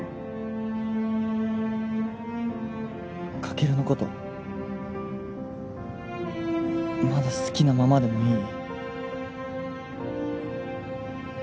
カケルのことまだ好きなままでもいい？